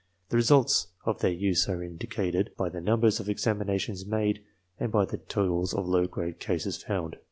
The results of their use are indicated by the numbers of examinations made and by the totals of low grade cases found.